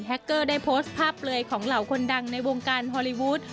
เกอร์ได้โพสต์ภาพเปลือยของเหล่าคนดังในวงการฮอลลีวูด